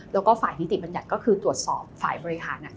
แล้วก็ฝ่ายนิติบัญญัติก็คือตรวจสอบฝ่ายบริหาร